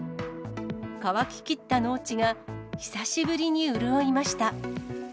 乾ききった農地が、久しぶりに潤いました。